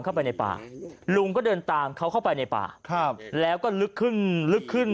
เข้าไปในป่าลุงก็เดินตามเขาเข้าไปในป่าครับแล้วก็ลึกขึ้นลึกขึ้น